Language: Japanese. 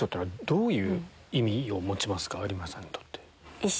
有村さんにとって。